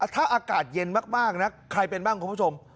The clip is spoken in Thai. ถ้าอากาศเย็นมากนะใครเป็นบ้างคุณผู้ชม